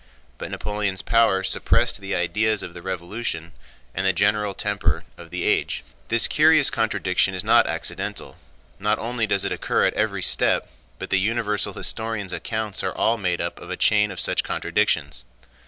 But Napoleon's power suppressed the ideas of the Revolution and the general temper of the age. This curious contradiction is not accidental. Not only does it occur at every step, but the universal historians' accounts are all made up of a chain of such contradictions.